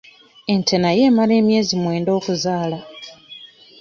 Ente nayo emala emyezi mwenda okuzaala.